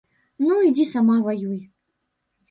Ну, ідзі сама, ваюй.